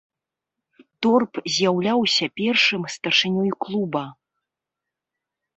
Торп з'яўляўся першым старшынёй клуба.